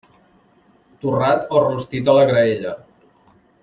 Torrat o rostit a la graella.